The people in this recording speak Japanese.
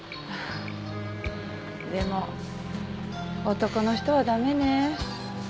でも男の人は駄目ね。